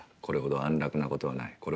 これほど安楽なことはない。